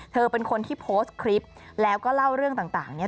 เธอเป็นคนที่โพสต์คลิปแล้วก็เล่าเรื่องต่างเนี่ย